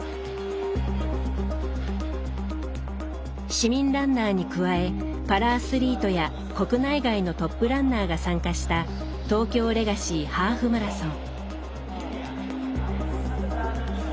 市民ランナーに加えパラアスリートや国内外のトップランナーが参加した東京レガシーハーフマラソン。